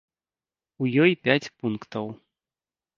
У ёй пяць пунктаў.